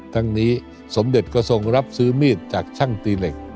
ทั้งนี้สมเด็จก็ทรงรับซื้อมีดจากช่างตีเหล็ก